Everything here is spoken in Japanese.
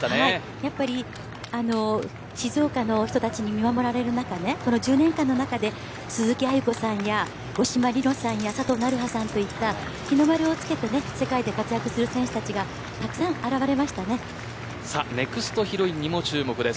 やっぱり静岡の人たちに見守られる中この１０年間の中で鈴木亜由子さんや渡島リロさん佐藤さんといった日の丸をつけて世界で活躍する選手たちがネクストヒロインにも注目です。